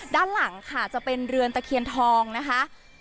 ด้านหลังค่ะจะเป็นเรือนตะเคียนทองนะคะ